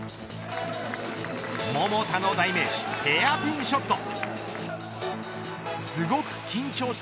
￥桃田の代名詞ヘアピンショット。